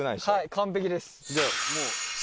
はい完璧です。